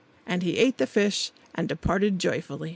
And he ate the fish, and departed joyful.